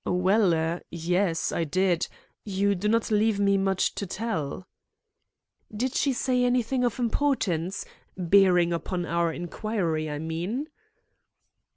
"Well er yes, I did. You do not leave me much to tell." "Did she say anything of importance bearing upon our inquiry, I mean?"